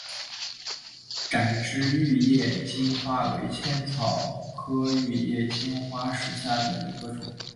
展枝玉叶金花为茜草科玉叶金花属下的一个种。